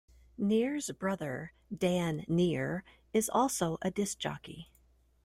Neer's brother Dan Neer is also a disc jockey.